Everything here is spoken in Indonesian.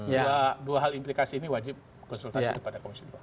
jadi dua hal implikasi ini wajib konsultasi kepada komisi dua